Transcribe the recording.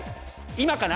今かな？